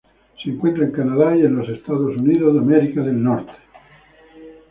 Se encuentra en Canadá y los Estados Unidos.